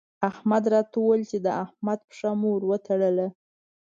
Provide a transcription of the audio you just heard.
احمد راته وويل چې د احمد پښه مو ور وتړله.